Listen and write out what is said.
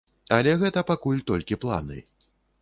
Але гэта пакуль толькі планы.